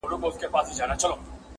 اور ته وچ او لانده يو دي.